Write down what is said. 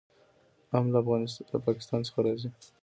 ام له پاکستان څخه راځي.